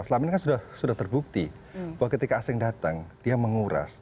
selama ini kan sudah terbukti bahwa ketika asing datang dia menguras